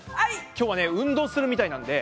今日はね運動するみたいなんで。